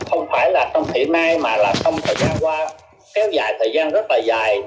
không phải là trong hiện nay mà trong thời gian qua kéo dài thời gian rất là dài